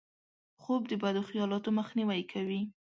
خوب د بدو خیالاتو مخنیوی کوي